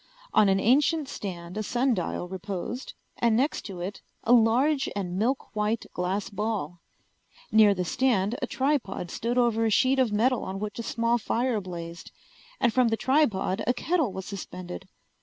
On an ancient stand a sun dial reposed, and next to it a large and milk white glass ball. Near the stand a tripod stood over a sheet of metal on which a small fire blazed, and from the tripod a kettle was suspended.